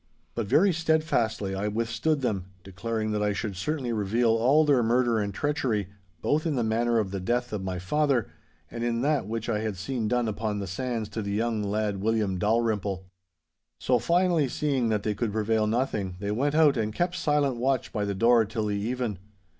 'But very steadfastly I withstood them, declaring that I should certainly reveal all their murder and treachery, both in the matter of the death of my lather, and in that which I had seen done upon the sands to the young lad William Dalrymple. 'So finally seeing that they could prevail nothing, they went out and kept silent watch by the door till the even.